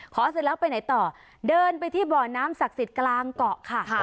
เสร็จแล้วไปไหนต่อเดินไปที่บ่อน้ำศักดิ์สิทธิ์กลางเกาะค่ะ